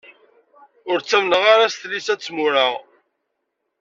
Ur ttamneɣ ara s tlisa d tmura.